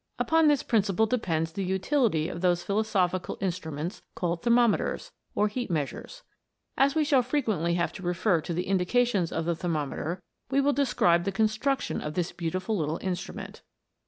Upon this principle depends the utility of those philosophical instru ments called thermometers, or heat measures. As we shall frequently have to refer to the indications of the thermometer, we will describe the construc tion of this beautiful little instrument.